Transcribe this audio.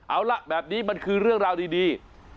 เอาล่ะแบบนี้มันคือเรื่องราวดี